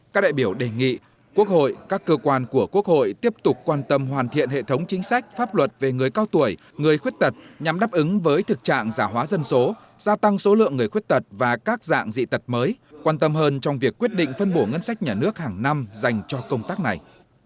các đại biểu đề nghị quốc hội các cơ quan của quốc hội tiếp tục quan tâm hoàn thiện hệ thống chính sách pháp luật về người cao tuổi người khuyết tật nhằm đáp ứng với thực trạng giả hóa dân số gia tăng số lượng người khuyết tật và các dạng dị tật mới quan tâm hơn trong việc quyết định phân bổ ngân sách nhà nước hàng năm dành cho công tác này